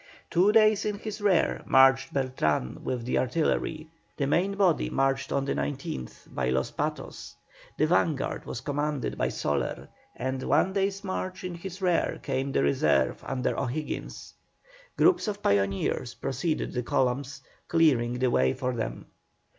Two days in his rear marched Beltran with the artillery. The main body marched on the 19th by Los Patos; the vanguard was commanded by Soler, and one day's march in his rear came the reserve under O'Higgins. Groups of pioneers preceded the columns, clearing the way for them.